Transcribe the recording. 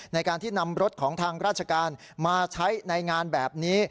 ในการที่นำรถของทางราชการมาใช้ในงานแบบนี้